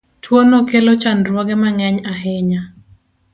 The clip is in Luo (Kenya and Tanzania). Tuono kelo chandruoge ma ng'eny ahinya.